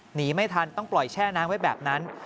หนีไม่ทันต้องปล่อยแช่น้ำไว้แบบนั้น